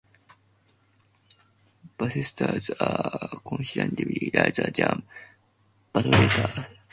Basestars are considerably larger than Battlestars.